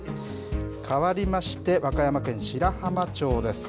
かわりまして、和歌山県白浜町です。